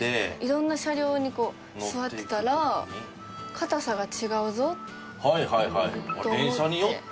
色んな車両に座ってたらかたさが違うぞと思って。